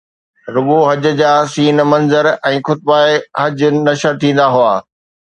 رڳو حج جا سِيئن منظر ۽ خطبہ حج نشر ٿيندا هئا